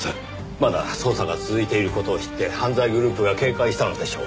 まだ捜査が続いている事を知って犯罪グループが警戒したのでしょう。